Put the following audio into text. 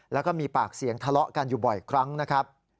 แล้วก็มีปากเสียงทะเลาะกันอยู่บ่อยครั้งนะครับ